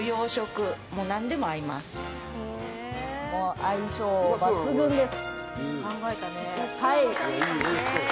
相性抜群です。